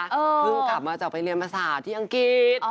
เพิ่งกลับมาจากไปเรียนภาษาที่อังกฤษ